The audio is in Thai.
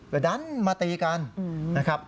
แล้วดันมาตีกัน